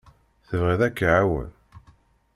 Tebɣiḍ ad k-iɛawen?